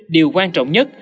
điều quan trọng nhất